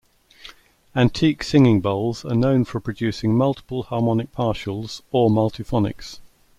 Antique singing bowls are known for producing multiple harmonic partials or multiphonics.